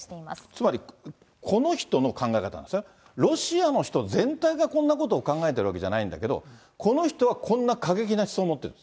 つまり、この人の考え方なんですね、ロシアの人全体がこんなことを考えてるわけじゃないんだけど、この人はこんな過激な思想を持ってる。